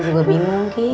gue juga bingung ki